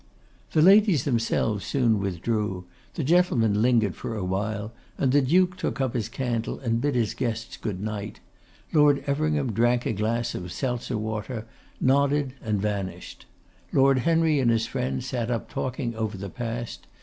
The ladies themselves soon withdrew; the gentlemen lingered for a while; the Duke took up his candle, and bid his guests good night; Lord Everingham drank a glass of Seltzer water, nodded, and vanished. Lord Henry and his friend sat up talking over the past.